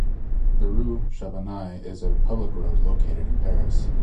The rue Chabanais is a public road located in Paris.